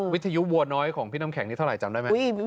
วิทยุวัวน้อยของพี่น้ำแข็งนี้เท่าไหร่จำได้ไหม